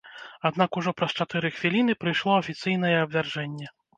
Аднак ужо праз чатыры хвіліны прыйшло афіцыйнае абвяржэнне.